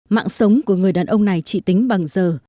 mạng sống của người đàn ông này trị tính bằng giờ